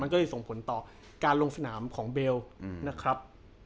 ก็เลยส่งผลต่อการลงสนามของเบลนะครับ